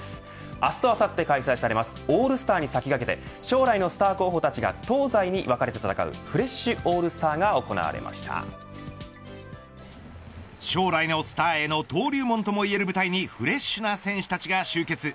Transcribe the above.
明日とあさって開催されますオールスターに先駆けて未来のスター候補たちが東西に分かれて戦うフレッシュオールスターが将来のスターへの登竜門ともいえる部隊にフレッシュな選手たちが集結。